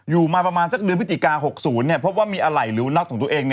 อยู่มาประมาณจากเดือนพฤติกา๖๐เพราะว่ามีอะไรหรือวุนตร์ของตัวเอง